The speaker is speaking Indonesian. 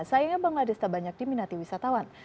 sayangnya bangladesh tak banyak diminati wisatawan